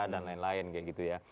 dan lain lain kayak gitu ya